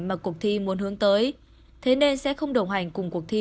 mà cuộc thi muốn hướng tới thế nên sẽ không đồng hành cùng cuộc thi